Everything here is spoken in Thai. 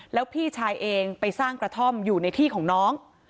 แล้วพี่ชายเองไปสร้างกระท่อมอยู่ในที่ของน้อง